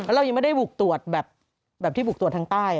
เรายังไม่ได้บุกตรวจแบบที่บุกตรวจทางใต้